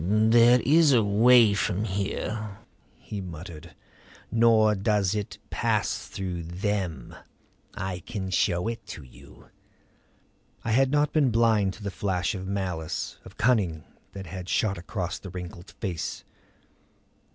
"There is a way from here," he muttered. "Nor does it pass through Them. I can show it to you." I had not been blind to the flash of malice, of cunning, that had shot across the wrinkled face.